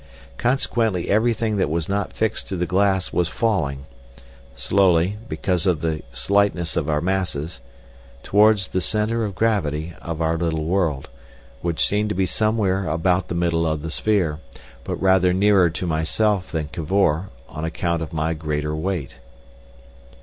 Consequently everything that was not fixed to the glass was falling—slowly because of the slightness of our masses—towards the centre of gravity of our little world, which seemed to be somewhere about the middle of the sphere, but rather nearer to myself than Cavor, on account of my greater weight.